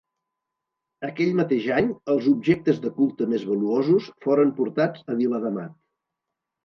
Aquell mateix any, els objectes de culte més valuosos foren portats a Viladamat.